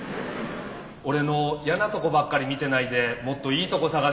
俺の嫌なとこばっかり見てないでもっといいとこ探しなさい。